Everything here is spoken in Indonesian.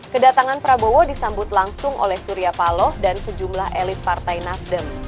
kedatangan prabowo disambut langsung oleh surya paloh dan sejumlah elit partai nasdem